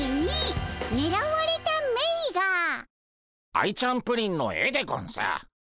アイちゃんプリンの絵でゴンス。